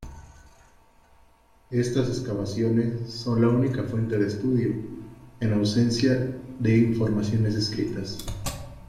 Estas excavaciones son la única fuente de estudio, en ausencia de informaciones escritas.